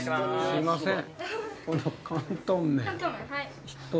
すいません。